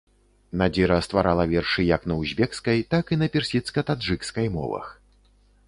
Надзіра стварала вершы як на узбекскай, так і на персідска-таджыкскай мовах.